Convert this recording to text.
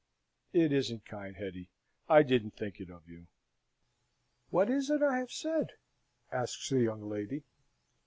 It isn't kind, Hetty I didn't think it of you." "What is it I have said?" asks the young lady.